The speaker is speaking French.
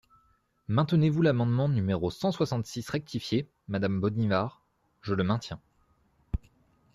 Maintenez-vous l’amendement numéro cent soixante-six rectifié, madame Bonnivard ? Je le maintiens.